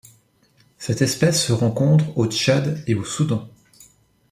Cette espèce se rencontre au Tchad et au Soudan.